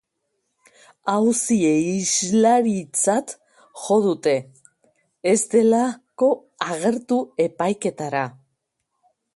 Auzi-iheslaritzat jo dute, ez delako agertu epaiketara.